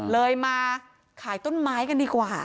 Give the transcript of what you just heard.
เลยมาขายต้นไม้กันดีกว่า